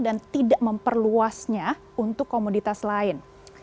dan tidak memperluasnya untuk komoditas lain